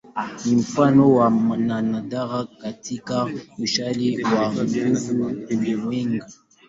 Ni mfano wa nadra katika uzalishaji wa nguruwe ulimwenguni.